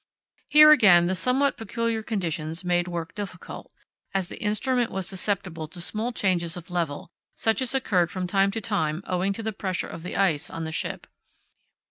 Here again, the somewhat peculiar conditions made work difficult, as the instrument was very susceptible to small changes of level, such as occurred from time to time owing to the pressure of the ice on the ship.